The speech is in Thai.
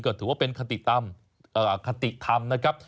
ก็ถือว่าเป็นคติธรรมนะครับ